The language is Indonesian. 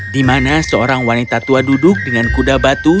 di mana seorang wanita tua duduk dengan kuda batu